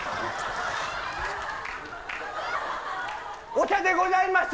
お茶でございます。